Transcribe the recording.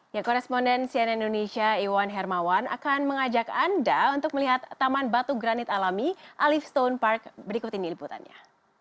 ya koresponden cnn indonesia iwan hermawan akan mengajak anda untuk melihat taman batu granit alami alif stone park berikut ini liputannya